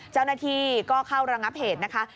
เจ้าหน้าที่ก็เข้าระงับเหตุนะคะ